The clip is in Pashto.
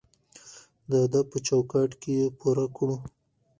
د ادب په چوکاټ کې یې پوره کړو.